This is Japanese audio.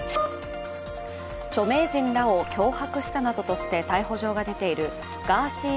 著名人らを脅迫したなどとして逮捕状が出ているガーシー